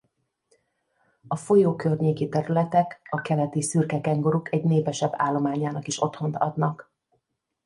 A folyó környéki területek a keleti szürke-kenguruk egy népesebb állományának is otthont adnak.